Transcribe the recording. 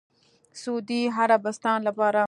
سعودي عربستان لپاره